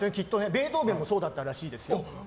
ベートーベンもそうだったらしいですよ。